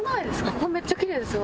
ここめっちゃきれいですよ。